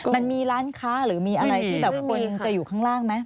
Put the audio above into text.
มันมีร้านค้าหรือมีอะไรที่แบบคนจะอยู่ข้างล่างไหม